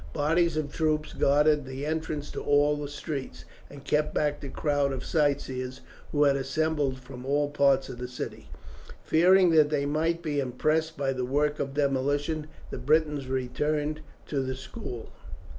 Bodies of troops guarded the entrances to all the streets, and kept back the crowd of sightseers, who had assembled from all parts of the city. Fearing that they might be impressed for the work of demolition, the Britons returned to the school.